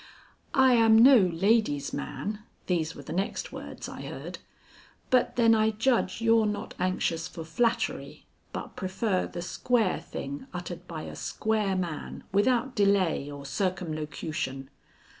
"I am no lady's man," these were the next words I heard, "but then I judge you're not anxious for flattery, but prefer the square thing uttered by a square man without delay or circumlocution.